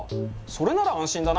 それなら安心だな。